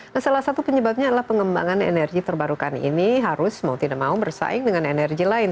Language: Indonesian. nah salah satu penyebabnya adalah pengembangan energi terbarukan ini harus mau tidak mau bersaing dengan energi lain